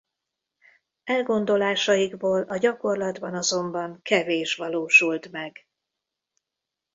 Elgondolásaikból a gyakorlatban azonban kevés valósult meg.